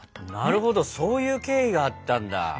なるほどそういう経緯があったんだ。